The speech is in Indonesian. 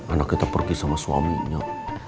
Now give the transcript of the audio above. anak kita pergi sama suaminya